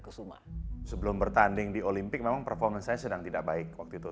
sebelum bertanding di olimpik memang performance saya sedang tidak baik waktu itu